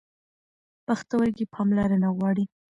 پښتورګي پاملرنه غواړي.